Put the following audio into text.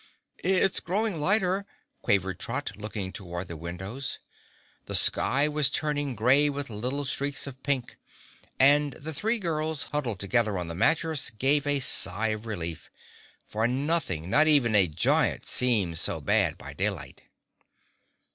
"It's growing lighter," quavered Trot, looking toward the windows. The sky was turning gray with little streaks of pink, and the three girls huddled together on the mattress gave a sigh of relief; for nothing, not even a giant, seems so bad by daylight.